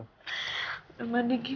udah mandi kira bau